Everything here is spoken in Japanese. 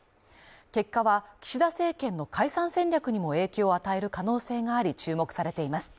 結果は、岸田政権の解散戦略にも影響を与える可能性があり注目されています。